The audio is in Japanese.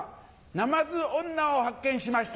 ナマズ女を発見しました。